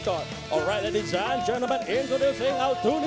กำลังสู้กัน